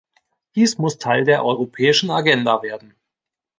Dies muss Teil der europäischen Agenda werden.